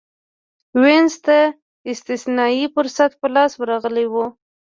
وینز ته استثنايي فرصت په لاس ورغلی و